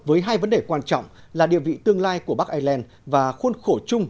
với hai vấn đề quan trọng là địa vị tương lai của bắc ireland và khuôn khổ chung